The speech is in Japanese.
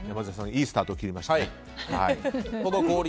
いいスタートを切りました。